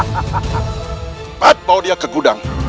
empat bawa dia ke gudang